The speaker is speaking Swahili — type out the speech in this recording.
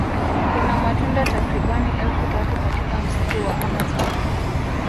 Kuna matunda takribani elfu tatu katika msitu wa amazon